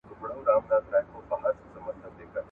د افغاني مزاج سره کوم ډول نظام جوړ دی؟